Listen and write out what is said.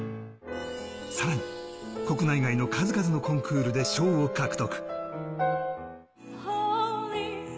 さらに国内外の数々のコンクールで賞を獲得。